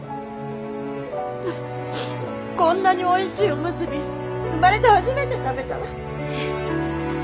こんなにおいしいおむすび生まれて初めて食べたわ。